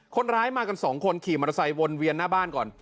คนร้ายมากันสองคนขี่มอเตอร์ไซค์วนเวียนหน้าบ้านก่อน